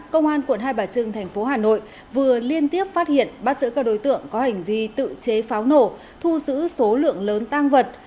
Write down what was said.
công an quận hai bà trưng thành phố hà nội vừa liên tiếp phát hiện bắt giữ các đối tượng có hành vi tự chế pháo nổ thu giữ số lượng lớn tang vật